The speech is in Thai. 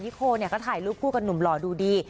โคเนี่ยก็ถ่ายรูปคู่กับหนุ่มหล่อดูดี